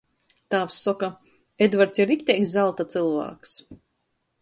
Tāvs soka — Edvarts ir rikteigs zalta cylvāks.